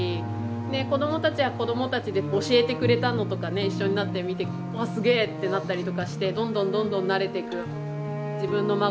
で子どもたちは子どもたちで教えてくれたのとかね一緒になって見て「わあすげえ」ってなったりとかしてどんどんどんどん慣れていく。